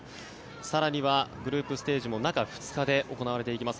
更にはグループステージも中２日で行われていきます。